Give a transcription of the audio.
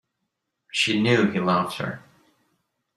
She knew he loved her.